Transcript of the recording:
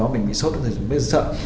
mình bị sốt nên sợ